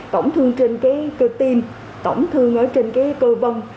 tổng thương trên cơ tim tổng thương trên cơ vân